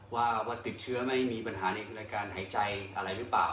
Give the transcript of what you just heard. ว่าติดเชื้อไม่มีปัญหาในรายการหายใจอะไรหรือเปล่า